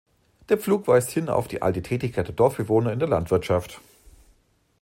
Der Pflug weist hin auf die alte Tätigkeit der Dorfbewohner in der Landwirtschaft.